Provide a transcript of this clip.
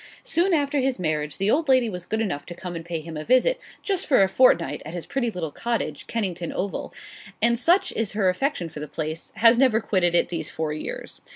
Soon after his marriage the old lady was good enough to come and pay him a visit just for a fortnight at his pretty little cottage, Kennington Oval; and, such is her affection for the place, has never quitted it these four years.